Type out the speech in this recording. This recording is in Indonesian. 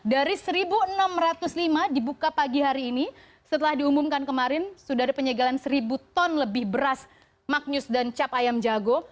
dari satu enam ratus lima dibuka pagi hari ini setelah diumumkan kemarin sudah ada penyegalan seribu ton lebih beras magnus dan cap ayam jago